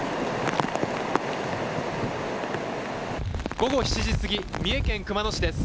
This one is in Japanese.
午後７時すぎ三重県熊野市です。